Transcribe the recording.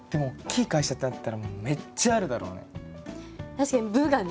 確かに「部」がね。